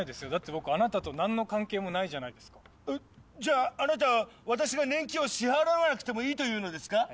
僕あなたと何の関係もないじゃないですかえっじゃああなたは私が年金を支払わなくてもいいというのですか？